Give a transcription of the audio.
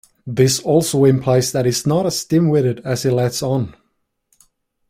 This also implies that he is not as dim-witted as he lets on.